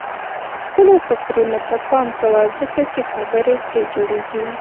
خپلو فکرونو ته پام کوه ځکه چې خبرې ترې جوړيږي.